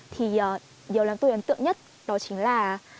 thì điều đáng tôi ấn tượng nhất đó chính là